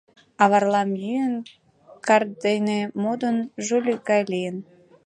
А Варлам йӱын, карт дене модын, жулик гай лийын.